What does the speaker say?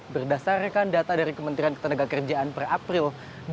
berdasarkan data dari kementerian ketenagakerjaan per april dua ribu dua puluh